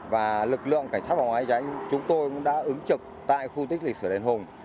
và lực lượng cảnh sát phòng cháy cháy chúng tôi cũng đã ứng trực tại khu tích lịch sử đền hùng